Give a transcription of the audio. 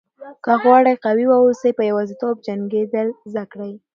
که غواړئ قوي واوسئ په یوازیتوب جنګېدل زده کړئ.